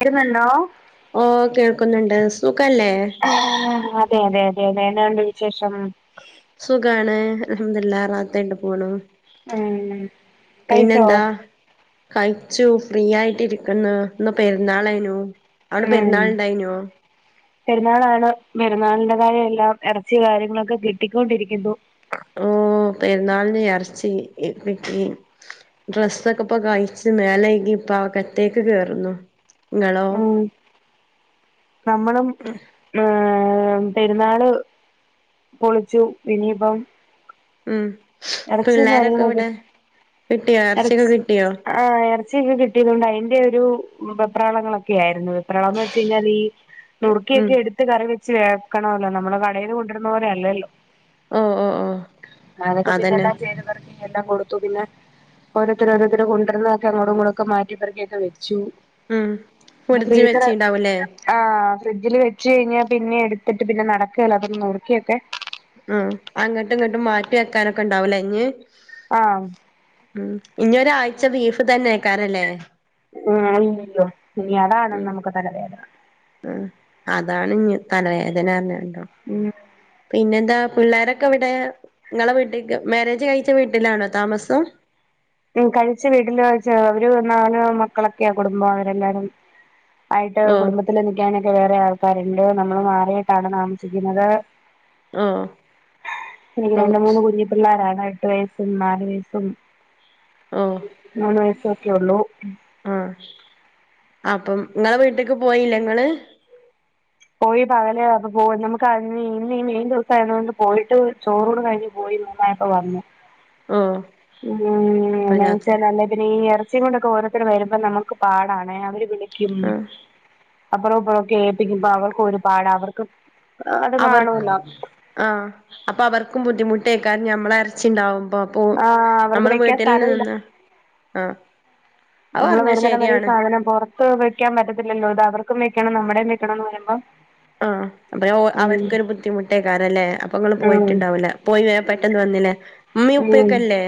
ഇരുന്നുണ്ടോ ഓ കേൾക്കുന്നുണ്ട് സുഖല്ലേ അതെ അതെ അതെ അതെ എന്നാണ്ട് വിശേഷം സുഖാണ് അഹമ്മദില്ല റാത്തട്ട് പോണു ഉം കഴിച്ചോ പിന്നെന്താ കഴിച്ചു ഫ്രീ ആയിട്ട് ഇരിക്കുന്നു ഇന്ന് പെരുന്നാളായിനു അവിടെ ഉം പെരുന്നാൾ ഇണ്ടായിനോ പെരുന്നാളാണ് പെരുന്നാളിന്റെതായ എല്ലാം ഇറച്ചി കാര്യങ്ങളൊക്കെ കിട്ടിക്കൊണ്ടിരിക്കുന്നു ഓ പെരുന്നാളിന് ഇറച്ചി വെക്കി ഡ്രസ്സൊക്കെ ഇപ്പൊക്കെ അഴിച്ച് മേലഴകി ഇപ്പ അ കത്തേക്ക് കേയറുന്നു ഉം നമ്മളും ആ... പെരുന്നാള് പൊളിച്ചു ഇനിപ്പം ഉം പിള്ളോരൊക്കെ ഇവിടെ കിട്ടിയോ ഇറച്ചിയക്കേ കിട്ടിയോ കിട്ടിയതൊണ്ട് അതിന്റെ ഒരു വെപ്രാളങ്ങളൊക്കെ ആരുന്നു വെപ്രളന്ന് വെച്ച് കഴിഞ്ഞാല് ഈ ഉം നുക്കിയൊക്കെ എടുത്ത് കറി ചേർക്കണമല്ലോ നമ്മള് കടയിന്ന് കൊണ്ടിരുന്ന പോലെ അല്ലല്ലോ ഓ ഓ ഓ അതൊക്കെ അതന്നെ പിന്നെല്ലാം ചെയ്തും പെറുക്കി എല്ലാം കൊടുത്തു പിന്നെ ഓരോത്തരോത്തരു കൊണ്ടുരുന്നക്കെ അങ്ങൊടും ഇങ്ങൊടും മാറ്റി പെറുക്കിക്കെ വെ ച്ചു ഉം അ ഫ്രിഡ്ജ് ഫ്രീസറ് വെച്ചിണ്ടാവൂലേ ആ ഫ്രിഡ്ജിൽ വെച്ച് കഴിഞ്ഞാൽ പിന്നെ എടുത്തിട്ട് പിന്നെ നടക്കുകേല അതൊന്ന് നോക്കിയൊക്കെ ആ അങ്ങോട്ടും ഇങ്ങോട്ടും മാറ്റി വെക്കാനൊക്കെ ഇണ്ടാവൂലേ ഇഞ്ഞ് ആ ഉം ഇനിഒരാഴ്ച്ച ബീഫ് തന്നെയ്ക്കാരല്ലേ ഉം ഇല്ലല്ലോ ഇനിഅതാണ് നമുക്ക്തലവേദന ഉ അതാണ്ഞ് തലവേദനപറഞ്ഞ പിന്നെ? പിന്നെന്താ പിള്ളോരൊക്കെഇവിടെ നിങ്ങളെവീട്ടിക്ക് മാരേജ്ഴിച്ച വീട്ടിലാണോതാമസം? ഉം കഴിച്ചു വീട്ടില് അവര്നാല് മക്കളൊക്കെയാകുടുംബം അവരെല്ലാരും ആയിട്ട് ഓഹ് കുടുംബത്തില് നിക്കാനൊക്കെവേറെ ആൾക്കാരുണ്ട് നമ്മള്മാറിയിട്ടാണ്താമസിക്കുന്നത് ഓഹ് ഓഹ് രണ്ട്മൂന്ന്കുഞ്ഞിപിള്ളാര രട്ട് വയസ്സും നാല് വയസും മൂന്ന് വയസൊക്കൊള്ളൂ ആ അപ്പം ഇങ്ങളെവീട്ടേക്ക്പോയില്ലങ്ങള്? പോയി പകല് [unintelligible] പോയിട്ട് ചോറൂണ് കഴിഞ്ഞ് പോയി പ്പപറഞ്ഞു ഓഹ് ഇപ്പം രാത്രി [unintelligible] ഈ ഇറച്ചിയ കൊണ്ടൊക്കെരോ ത്തര് വരുമ്പോമ്മക്ക്പാടണെ അവര് വിളിക്കും ആഹ് അപ്പറംഇപ്പറ കേപ്പിക്കുമ്പോ അവർക്ക്ഒരുപാട് അവർക്ക് അത് അവർക്ക് കാണുമല്ലോ ആ അപ്പൊഅവർക്കും ബുദ്ധിമുട്ടേയ്ക്കാരം ഞമ്മളെഎർച്ചിണ്ടാവും അപ്പപ്പോ ആഹ് അവർക്ക് നമ്മള് വെക്കാൻ സ്ഥലമില്ല വീട്ടിലെന്നനിന്ന് ആഹ നമ്മള് വെരുന്നടംവരെ ഈസാധനം പെറത്ത് വെക്കാൻപറ്റത്തില്ലല്ലോ അതഅവർക്ക് മെക്കണം നമ്മുടേം വെക്കണന്ന് പറയുമ്പോ ആഹ അതയൊഅവര്ക്കൊരു ബുദ്ധിമുട്ടേയ്ക്കാരല്ലേ? ഉം അപ്പങ്ങള്പോയിട്ട്ണ്ടാവൂല പോയിവേം പെട്ടന്ന് വെന്ന്ലേ ഇമ്മീംഉപ്പിയൊക്കെല്ലേ?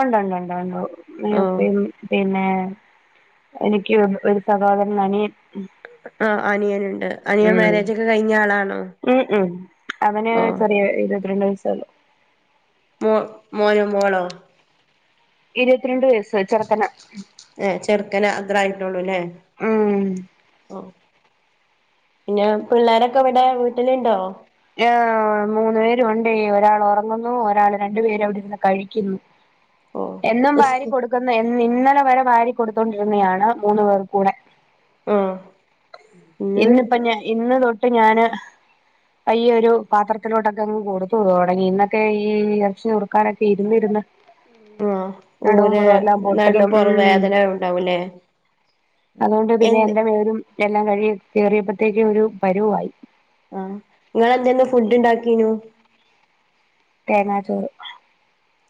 ഉണ്ട്ഉണ്ട്ഉണ്ട് ഉണ്ട്ഉമ്മീംഉപ്പീംപിന്നെ എനിക്ക് ഒരു സഹോദര [unintelligible] ആ അനിയന്ണ്ട് അനിയൻ ഉം മാരേജ്ക്കെ കഴിഞ്ഞആളാണോ ഉം ഉം അവന് ചെറിയ ഇര്‌വത്രണ്ട് വയസ്സൊള്ളു മോ മോനോ മോളോ ഇരുവത്ത്രണ്ട് വയസ്ചെറക്കനാ ഏഹ് ചെറുക്കന് [unintelligible] പിന്നെ പിള്ളോരൊക്കൊവിടെ വീട്ടില്ണ്ടോ? ആ മൂന്നുപേര്ണ്ടെയ് ഒരാളൊറങ്ങുന്നു ഒരാള് രണ്ടുപേരവിടെരിന്ന് കഴിക്കുന്നു എന്നും ഓഹ് സ്കൂ വാരികൊടുക്കുന്ന എഇന്ന ന്നലവരെ വരികൊടുത്തോണ്ടിരുന്നയാണ് മൂന്നുപേർകൂടെ ആഹ് ഇന്ന് ഇന്നിപ്പഞാ ഇന്ന്തൊട്ട് ഞാന് പയ്യെരു പാത്രത്തിലോട്ടൊക്കങ്ങ് കൊടുത്തു തൊടങ്ങി ഇന്നക്കെ ഈ എർച്ചിനുർക്കാനൊക്കെ ഇര്ന്നര്ന്ന് ആ ഊര നടും പൊട്ടലും പൊറവവേദനാവ്ണ്ടാവുലേ അതോണ്ട്പിന്നെ [unintelligible] പേരും എല്ലാംകഴുകി കേറിയപ്പോത്തേക്കുംഒരു പരുവായി. ആഹ് നിങ്ങെളെന്തെന്ന് ഫുഡ്ഡ്ഇണ്ടാക്കീനു? തേങ്ങചോറ്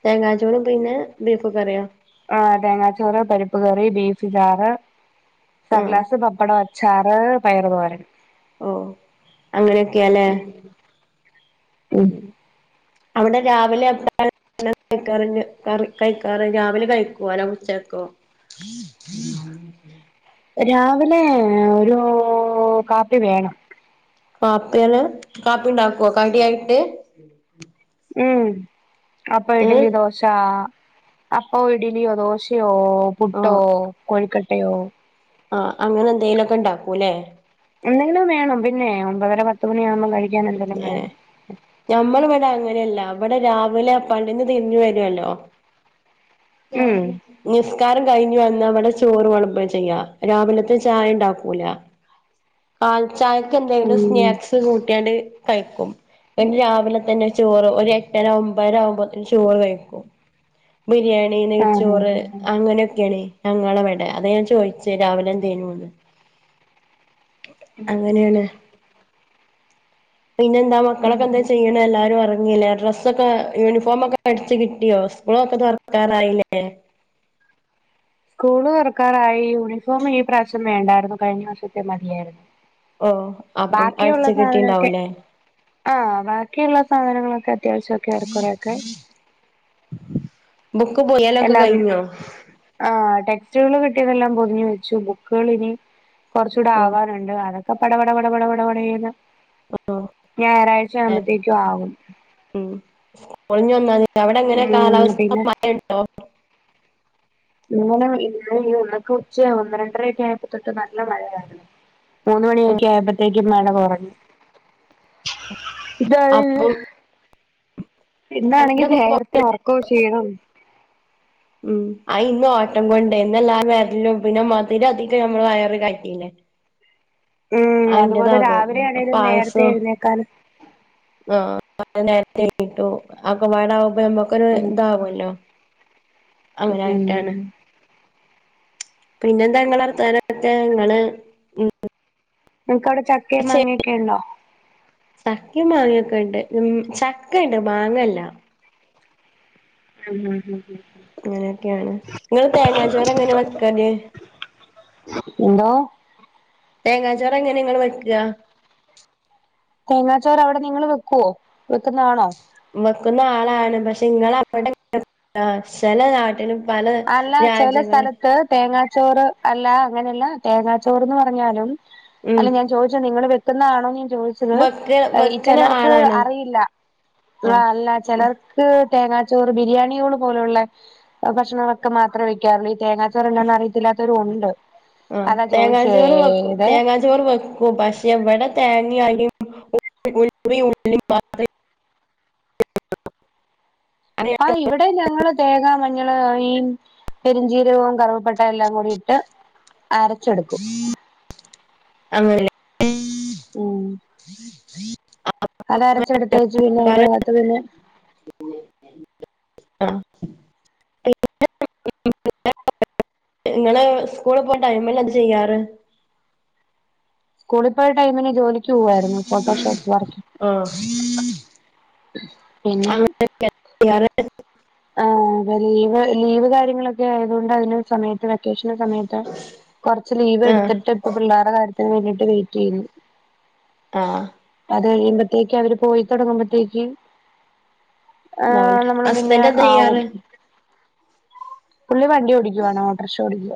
തേങ്ങാചോറും പിന്നെബീഫ്കറിയോ? ആ തേങ്ങാച്ചോറ് പരിപ്പ്കറി ബീഫ്ചാറ് ആഹ് സർലാസ്, പപ്പടം, അച്ചാറ് പയറ്തോരനും ഓ അങ്ങനെയൊക്കെയാല്ലെ? ഉം അവിടെ രാവിലെ [unintelligible] [unintelligible] രാവിലെ കഴിക്കോ അല്ല ഉച്ചക്കോ? [inaudible] രാവിലേ ഒരൂ കാപ്പിവേണം കാപ്പിയണ് കാപ്പിണ്ടാക്കോ കടിയായിട്ട്? ഉം അപ്പം, ഏഹ് ഇഡ്ലി, ദോശാ അപ്പൊ ഇഡ്ലിയോ ദോശയോ പ്പോ പുട്ടോ ആഹ് കൊഴിക്കട്ടയോ ആഹ് അങ്ങനെ എന്തേലൊക്കെ ഇണ്ടാക്കുല്ലേ എന്തെങ്കിലും വേണം പിന്നെ ഒമ്പതര പത്ത് മണിയാവുമ്പോ കഴി ഞ്ഹേ ഞമ്മള് ഇവ്ടങ്ങന നല്ല ഇവടെ രാവിലെ പള്ളീന്ന് തിര്ഞ്ഞ് വരൊല്ലോ ഉം നിസ്കാരം കഴി ഞ്ഞ് വന്നവടെ ചോറ് വളമ്പ ചെയ്യ രാവ്‌ലത്തെ ചായ ഇണ്ടാക്കൂല കാലി ചായക്ക് എന്തെങ്കിലും ഉം സ്നാക്സ് കൂട്ട്യാണ്ട് കഴിക്കും പിന്നെ രാവിലെ തന്നെ ചോറ് ഒരു എട്ടര ഒമ്പേര ആവുമ്പോത്തിന് ചോറ് കഴിക്കും ബിരിയാ ണി, ആഹ് നെയ്ച്ചോറ്, ആഹ് ആഹ് അങ്ങനൊക്കേണ് ഞങ്ങളെവെടെ ടെ അതെഞാൻ ചോയ്ച്ചേ രാവിലെ എന്തേനുന്ന് അങ്ങനെയാണ് പിന്നെന്താ മക്കളൊക്കെ എന്താ ഉം ചെയ്യണേ എല്ലാരും ഒറ ങ്ങില്ലേ ഡ്രസ്സൊക്കെ യൂണിഫോമൊക്കെ അടിച്ചു കിട്ടിയോ സ്കൂളൊക്കെ തൊറക്കാനായില്ലേ സ്കൂള് തൊറക്കാറായി യൂണിഫോം ഈ പ്രാശ്യം വേണ്ടായിരുന്നു കഴിഞ്ഞ വർഷത്തെ മതിയായിരുന്നു ഓ അപ്പം ബാക്കിയുള്ള അടിച്ച് സാധനൊക്കെ കിട്ടിണ്ടാവൂലേ ആഹ് ബാക്കിയുള്ള സാധന ക്കെ അത്യാവശ്യംക്കെ ഏറെകുറെക്കെ ബുക്ക് പൊതിയലൊക്കെ എല്ലാം കഴിഞ്ഞോ ആഹ് ടെക് സ്റ്റ്കള് കിട്ടിയതെല്ലാം പൊതിഞ്ഞു വെച്ചു ബുക്കുകൾ ഇനി കുറച്ചുടെ ഓ ആവാനുണ്ട് അതൊ ക്കെ പട പട പട പട പട പടേന്ന് ഓ ഞായറാഴ്ച ആകുമ്പോത്തേക്കും ആവും സ്കൂളിഞ്ഞി ഒന്നാം [unintelligible] അവിടെ എങ്ങനെ ഉം കാലാവസ്ഥ പിന്നെ മഴണ്ടോ ഇങ്ങനെ [unintelligible] ക്ക് ഉച്ച ഒന്ന് രണ്ടരക്ക ആയപ്പോത്തൊട്ട് നല്ല മഴയായിരുന്നു മൂന്ന് ആ മണിയൊക്കെ ആയപ്പോത്തേക്കും മഴ കൊറഞ്ഞു അ ഇന്നാ ഇന്നാണെങ്കി കറന്റൊക്കെ നേരത്തെ ഒറക്കും ക്ഷീണം ഉം ആ ഇന്ന് ഓട്ടം കൊണ്ട്ന്നല്ലാം വരിലും പിന്നെ മധിരം അധികം നമ്മള് വയറ് കയറ്റില്ലേ ഉം അതുപോലെ അയിൻ്റെതാകും രാവിലെ ആണേലും നേരത്തെ പായസും.. എഴുന്നേക്കാനും ആഹ് [unintelligible] നേരത്തെ എണീറ്റു.. അതൊക്കപാടാവുമ്പോ നമ്മക്കൊരു ഉം ഇതാവുല്ലോ അങ്ങനായിട്ടാണ് ഉം പിന്നെന്താ ങ്ങളെ വർത്താനക്കെ ങ്ങള് ഉം നിങ്ങക്ക് അവടെ ചക്കയും മാങ്ങക്കെണ്ടോ ചക്കയും മാങ്ങൊക്കെ ഇണ്ട്.. ഉം ചക്ക ഇണ്ട് മാങ്ങല്ല ഉം ഉം ഹും അങ്ങനെയൊക്കെയാണ് ങ്ങള് തേങ്ങാ ചോറ് എങ്ങനെ വെക്കല് എന്തോ തേങ്ങാ ചോറ് എങ്ങനെ ഇങ്ങള് വെക്ക തേങ്ങാച്ചോർ അവിടെ നിങ്ങള് വെക്കുവോ വെക്കുന്നാണോ വെക്കുന്ന ആളാണ്.. പക്ഷെ ഇങ്ങള് അവടെ [inaudible] ചെല നാട്ടിലും പല അല്ല ചെല രാജ്യങ്ങള് സ്ഥലത്ത് തേങ്ങാ ചോറ് അല്ല അങ്ങനെയല്ല തേങ്ങാ ചോറ്ന്ന് പറഞ്ഞാലും ഉം അല്ല ഞാൻ ചോയ്ച്ച് നിങ്ങള് വെ ക്കുന്നാണോന്ന് ഞാൻ ചോദിച്ചത് വെക്ക വെക്കണ ചെലർക്ക് ആളാണ് അറിയില്ല ആ ആഹ് അല്ല ചെലർക്ക് തേങ്ങാച്ചോറ് ബിരിയാണ്യോള് പോലുള്ള ഭക്ഷണങ്ങളൊക്കെ മാത്രേ വെക്കാറുള്ളൂ ഇ തേങ്ങാ ചൊറെന്താന്നറിയത്തില്ലാത്തൊരും ഉണ്ട് ആ അതാ തേങ്ങാ ചോറ് വെക്കും.. ചോദിച്ചേതെ തേങ്ങാ ചോറ് വെക്കും പഷേ ഇവടെ തേങ്ങ യും അരി [inaudible] ആ ഇവിടെ ഞങ്ങള് തേങ്ങ മഞ്ഞൾ അരിം പെരുഞ്ചീരവുംവും കറവപ്പട്ട എല്ലാം കൂടി ഇട്ട് അരച്ചെടുക്കും അങ്ങനല്ലെ ഉം അത് അരച്ചെടുത്തേച്ചു പിന്നെ അയിതിനകത്ത് പിന്നെ ആഹ [unintelligible] നിങ്ങള് സ്കൂള് പോണ ടൈംമിൽന്താ ചെയ്യാറ് സ്കൂളിൽ പോയ ടൈമിന് ജോലിക്ക് പോവുവായിരുന്നു.. ഫോട്ടോഷോപ്പ് വർക്ക് ആഹ്. [unintelligible] ആ ലീവ് ലീവ് കാര്യങ്ങളൊക്കെ ആയത്കൊണ്ട് അതിന് സമയത്ത് വെക്ക സമയത്ത് കുറച്ച് ലീവ് ആഹ് എടുത്തിട്ട് ഇപ്പം പിള്ളേരടെ കാര്യ ത്തിന് വേണ്ടീട്ട് വെയിറ്റ് ചെയ്യുന്നു ആഹ് അത് കഴിയുമ്പോത്തേക്കും അവര് പോയി തുടങ്ങുമ്പോത്തേക്ക് ആ ഇതാവല്ലേ നമ്മള് പിന്നെ ഹസ്ബൻഡ് എന്താ ആവും ചെയ്യാറ് പുള്ളി വണ്ടി ഓടിക്കുവാണ് ഓട്രഷ ഓടിക്കുവ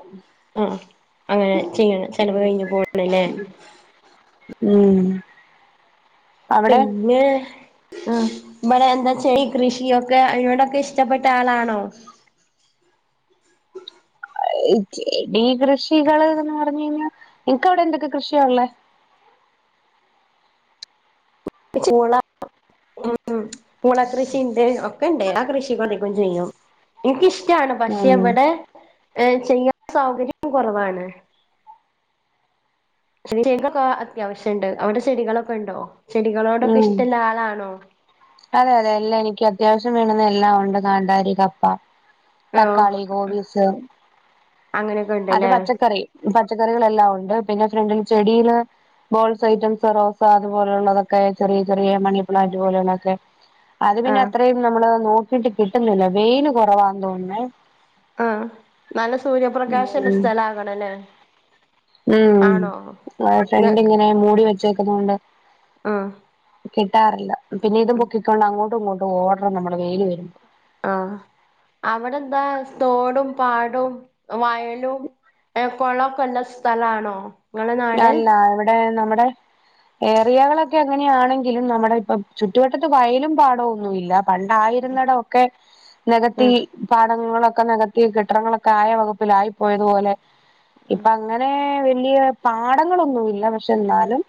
ആ.. ആ. അങ്ങനെ ചെല ചെലവ് കഴിഞ്ഞ് പോകണല്ലേ ഉം അവിടെ പിന്നേ, ആഹ് ഇബടെ എന്താ ചെടിയൊക്കെ കൃഷിയൊക്കെ അതിനോടൊക്കെ ഇഷ്ടപ്പെട്ട ആളാണോ? അയ് [inaudible] ചെടീ കൃഷികള്ന്ന്ന്ന് പറഞ്ഞ് കഴിഞ്ഞാൽ ഇൻക്ക് അവിടെ എന്തൊക്കെ കൃഷിയാള്ളേ അ [unintelligible] [unintelligible] ഉം, ഉം, പൂള കൃഷിണ്ട്. ഒക്കെ ഇണ്ട്. ആ കൃഷി [unintelligible] ക്കും ചെയ്യും. ഇൻക്ക് ഇഷ് ടാണ്. പക്ഷെ ഉം ഇവടെ ഏ ചെയ്യാൻ സൗകര്യം കൊറവാണ്. [unintelligible] ക്കെ അത്യാവശ്യംണ്ട്. അവടെ ചെടികളൊക്കെ ഉണ്ടോ? ചെടികളോടൊക്കെ ഉം ഇഷ്ടള്ള ആളാണോ? അതെ അതെ, എല്ലാം എനിക്ക് അത്യാവശ്യം വീണന്ന് എല്ലാം ഉണ്ട്. കാന്താരി, കപ്പ ഓ തക്കാളി, കോബീസ് അങ്ങനെയൊക്കെ അത് ഉണ്ടല്ലേ പച്ചക്കറി. പച്ചക്കറികളെല്ലാം ഉണ്ട്. പിന്നെ ഫ്രണ്ട്ല് ചെടിയില് ബോൾസ് ഐറ്റംസ്, റോസ അതുപോലെയുള്ളതൊക്കെ ചെറിയ ചെറിയ മണി പ്ലാന്റ് പോലെയുള്ളതൊക്കെ അത് ആ പിന്നെ അത്രയും നമ്മള് നോക്കിട്ട് കിട്ടുന്നില്ല വെയില് കുറവാന്ന് തോന്നുന്നേ ആഹ്, നല്ല സൂര്യപ്രകാശല്ലെ ഉം സ്ഥല ആകണ ലേ ഉം, [unintelligible] ഫ്രണ്ട് ഇങ്ങനെ മൂടി വെച്ചേക്കുന്ന കൊണ്ട് ആഹ് കിട്ടാറ്ല്ല. പിന്നെ ഇതും പൊക്കിക്കൊണ്ട് അങ്ങോട്ടും ഇങ്ങോട്ടും ഓടണം നമ്മടെ വെയില് വരുമ്പോ ആഹ്, അവിടെന്താ? തോടും പാടും വയലും ഏ കൊളക്കല്ല സ്ഥലാണോ നിങ്ങളെ നാട് നാല്ല. ഇവടെ നമ്മ്ടെ ഏറിയകളൊക്കെ അങ്ങനെയാണെങ്കിലും നമ്മുടെ ഇപ്പം ചുറ്റുവട്ടത്ത് വയലും പാടൊന്നുല്ല പണ്ടായിരുന്നിടൊക്കെ നികത്തി ഉം പാഠങ്ങളൊ ക്കെ നെകത്തി. കെട്ടടങ്ങളൊക്കെ ആയ വകുപ്പിലായിപ്പോയതുപോലെ ഇപ്പ അങ്ങനെ വലിയ പാടങ്ങളൊന്നുല്ല. പക്ഷെ ന്നാലും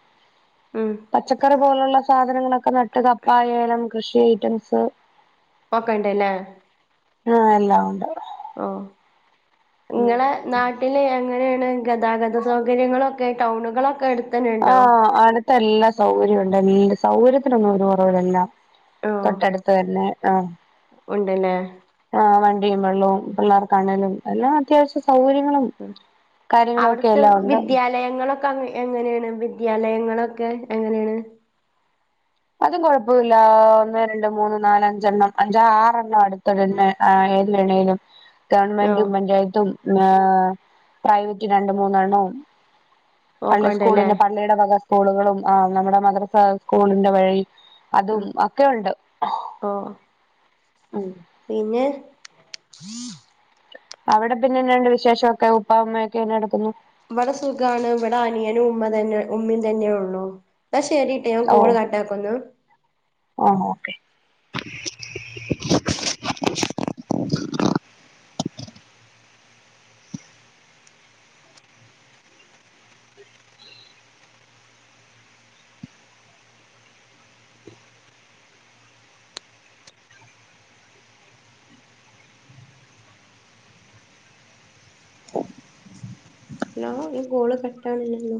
ഉം പച്ചക്കറി പോലുള്ള സാധനങ്ങളൊക്കെ ന ട്ട കപ്പ, ഏലം,, കൃഷി ഐറ്റംസ് ഒക്കെ ഇണ്ട്. ല്ലേ ആഹ്, എല്ലാം ഉണ്ട് അവ്ടെ ഓ! ഇങ്ങളെ നാട്ടില് എങ്ങനെ [unintelligible] ഗതാഗത സൗകര്യങ്ങളൊക്കെ ടൗണുകളൊക്കെ എടു ആഹ്, അടുത്ത് എല്ലാ സൗകര്യംണ്ട് എല്ല സൗര്യത്തിനൊന്നും ഒരു കൊറവിലല്ല ഓ തൊട്ടടുത്ത് തന്നെ. ആ ഉണ്ടല്ലേ ആ വണ്ടിയും വള്ളോം പിള്ളേർ കണലും എല്ലാം അത്യാവശ്യം അവിടത്തെ എല്ലാം ഉണ്ട് വിദ്യാലയങ്ങളൊക്കെ അ എങ്ങനേണ് വി ദ്യാലയങ്ങളൊക്കെ എങ്ങനേണ്? അതും കൊഴപ്പന്നുല്ലാ.. ഒന്നേ രണ്ടേ മൂന്നേ നാലേ അഞ്ചണ്ണം അഞ്ചു ആറെണം അടുത്തൊരണ്ണ ആ എ [unintelligible] ഓ ഗവണ്മെന്റും പഞ്ചായത്തും ന്നേ പ്രൈവറ്റ് രണ്ടു മൂന്നെണ്ണും പല ഓക്കണ്ടല്ലേ സ്കൂളിന്നും പള്ളിയുടെ വക സ്കൂളുകളും ആ നമ്മടെ മദ്രസ സ്കൂളിന്റെ വേ അതും ഒക്കെയുണ്ട് ഓ [unintelligible] പിന്നെ അവിടെ പിന്നെന്ത്ണ്ട് വിശേഷം ഒക്കെ. ഉപ്പ ഉമ്മ ഒക്കെ എന്തെടുക്കുന്നു ഇവടെ സുഖാണ്. ഇവടെ അനിയനും ഉമ്മ തന്നെ ഉമ്മിം തന്നെയുള്ളൂ. ന്നാ ശരി ട്ടോ. ഞാൻ ഓ കോള് കട്ടാകുന്നു. [inaudible] ഹലോ ഈ കോള് കട്ടാണ്ല്ലല്ലോ